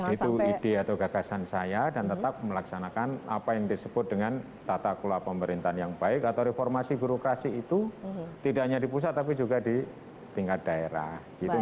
itu ide atau gagasan saya dan tetap melaksanakan apa yang disebut dengan tata kelola pemerintahan yang baik atau reformasi birokrasi itu tidak hanya di pusat tapi juga di tingkat daerah